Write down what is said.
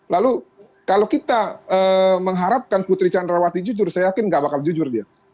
lalu kalau kita mengharapkan putri candrawati jujur saya yakin nggak bakal jujur dia